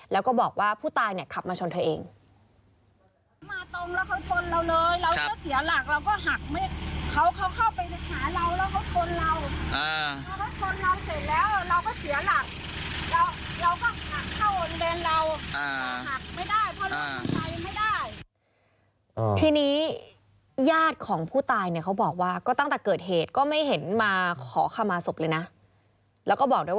แล้วก็บอกว่าผู้ตายเนี่ยขับมาชนเธอเอง